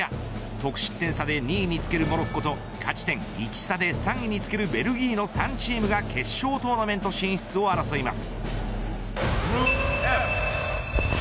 得失点差で２位につけるモロッコと勝ち点１差で３位につけるベルギーの３チームが決勝トーナメント進出を争います。